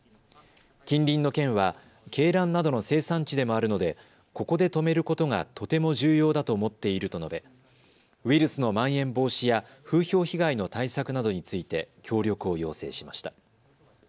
近隣の県は鶏卵などの生産地でもあるのでここで止めることがとても重要だと思っていると述べ、ウイルスのまん延防止や風評被害の対策などについて協力を要請しました。